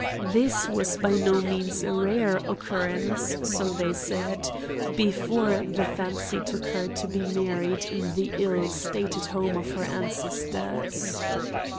This was by no means a rare occurrence, so they said, before the fancy took her to be married in the ill starred home of her ancestors.